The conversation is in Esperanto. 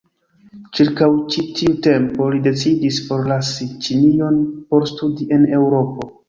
Ĉirkaŭ ĉi tiu tempo li decidis forlasi Ĉinion por studi en Eŭropo.